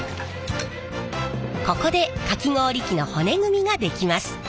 ここでかき氷機の骨組みができます。